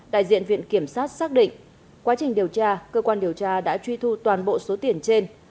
đại diện viện kiểm sát xác định quá trình điều tra cơ quan điều tra đã truy thu toàn bộ số tiền trên